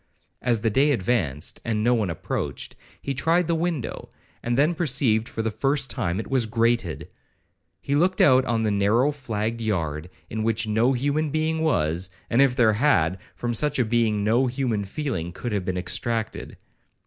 As the day advanced, and no one approached, he tried the window, and then perceived for the first time it was grated. It looked out on the narrow flagged yard, in which no human being was; and if there had, from such a being no human feeling could have been extracted.